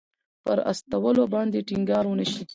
پر استولو باندې ټینګار ونه شي.